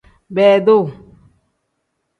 Beeduu.